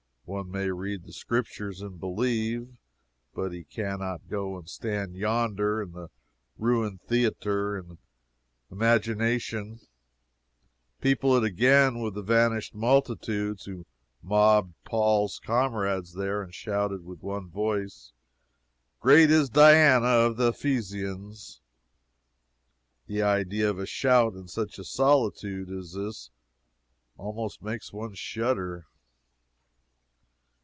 One may read the Scriptures and believe, but he can not go and stand yonder in the ruined theatre and in imagination people it again with the vanished multitudes who mobbed Paul's comrades there and shouted, with one voice, "Great is Diana of the Ephesians!" The idea of a shout in such a solitude as this almost makes one shudder.